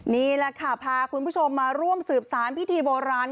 นี่แหละค่ะพาคุณผู้ชมมาร่วมสืบสารพิธีโบราณ